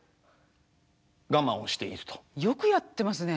よくやってますね。